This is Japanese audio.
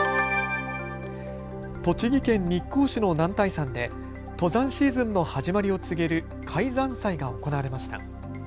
栃木県日光市の男体山で登山シーズンの始まりを告げる開山祭が行われました。